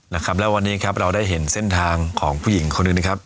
นะครับแล้ววันนี้ครับเราได้เห็นเส้นทางของผู้หญิงคนหนึ่งนะครับ